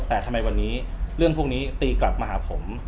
แต่ทำไมวันนี้เรื่องพวกนี้ตีกลับมาหาผม